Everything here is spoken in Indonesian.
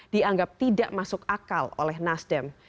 dianggap tidak masuk akal oleh nasdem